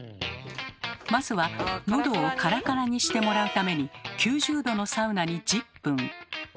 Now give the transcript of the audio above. まずはのどをカラカラにしてもらうために９０℃のサウナに１０分。